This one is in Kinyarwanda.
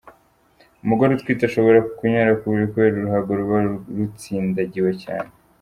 Umugore utwite ashobora kunyara ku buriri kubera uruhago ruba rutsindagiwe cyane.